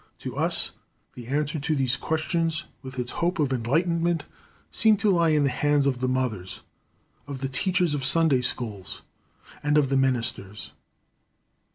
To us, the answer to these questions, with its hope of enlightenment, seems to lie in the hands of the mothers, of the teachers of Sunday schools, and of the ministers.